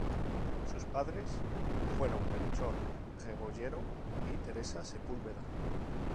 Sus padres fueron Melchor Rebolledo y Teresa Sepúlveda.